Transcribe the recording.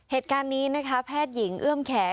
เหตุการณ์นี้นะคะแพทย์หญิงเอื้อมแข